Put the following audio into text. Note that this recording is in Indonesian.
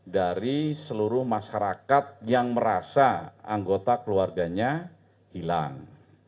dari seluruh masyarakat yang merasa anggota keluarganya hilang